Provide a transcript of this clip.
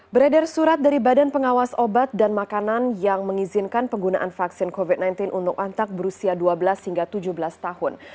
beredar surat dari badan pengawas obat dan makanan yang mengizinkan penggunaan vaksin covid sembilan belas untuk antak berusia dua belas hingga tujuh belas tahun